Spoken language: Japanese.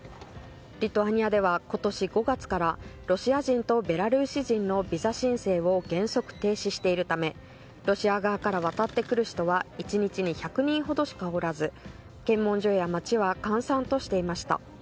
リトアニアでは、今年５月からロシア人とベラルーシ人のビザ申請を原則停止しているためロシア側から渡ってくる人は１日に１００人ほどしかおらず検問所や街は閑散としていました。